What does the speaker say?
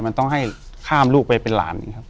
มันต้องให้ข้ามลูกไปเป็นหลาน